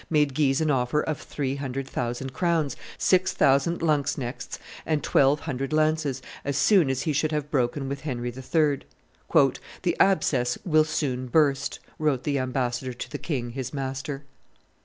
made Guise an offer of three hundred thousand crowns, six thousand lanzknechts, and twelve hundred lances, as soon as he should have broken with Henry III. "The abscess will soon burst," wrote the ambassador to the king his master.